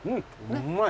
うまい。